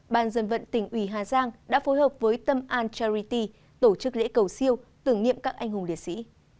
ban dân vận tỉnh ủy hà giang đã phối hợp với tâm an charity tổ chức lễ cầu siêu tưởng niệm các anh hùng liệt sĩ